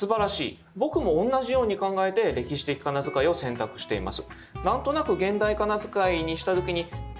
僕も同じように考えて歴史的仮名遣いを選択しています。